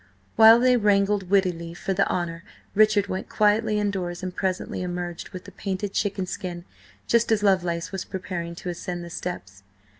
While they wrangled wittily for the honour, Richard went quietly indoors and presently emerged with the painted chicken skin, just as Lovelace was preparing to ascend the steps.